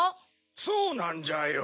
そうなんじゃよ。